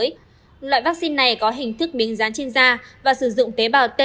các loại vaccine này có hình thức biếng dán trên da và sử dụng tế bào t